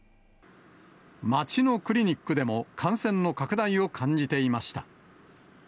街のクリニックでも感染の拡大を感じていました。